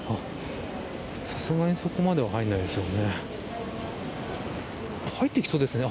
さすがにそこまでは入らないですね。